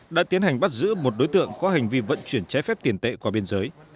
đã tiến hành bắt giữ một đối tượng có hành vi vận chuyển trái phép tiền tệ qua biên giới